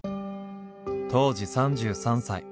当時３３歳。